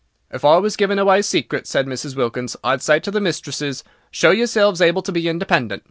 "If I was giving away secrets," said Mrs. Wilkins, "I'd say to the mistresses: 'Show yourselves able to be independent.